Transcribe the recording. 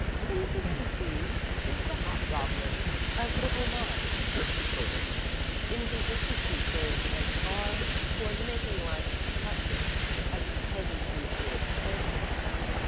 "'Consistency is the hobgoblin of little minds,'" she quoted. "Inconsistency goes as far toward making life attractive as its pleasures do toward spoiling it."